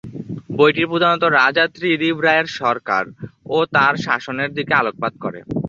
বইটি প্রধানত রাজা ত্রিদিব রায়ের সরকার ও তাঁর শাসনের দিকে আলোকপাত করে।